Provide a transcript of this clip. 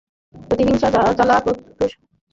প্রতিহিংসার জ্বালা প্রশমিত করবে।